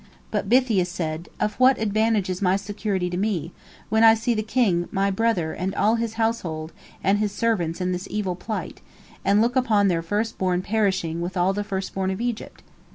But Bithiah said, "Of what advantage is my security to me, when I see the king, my brother, and all his household, and his servants in this evil plight, and look upon their first born perishing with all the first born of Egypt?"